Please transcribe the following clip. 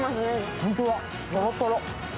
本当だ、トロトロ。